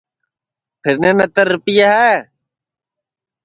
پھیرنے نتر رِپیئے ہے